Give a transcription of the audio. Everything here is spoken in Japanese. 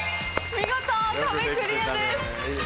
見事壁クリアです。